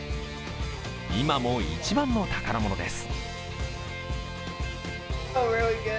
今も一番の宝物です。